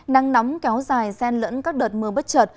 nắng nóng kéo dài xen lẫn các đợt mưa bất trợt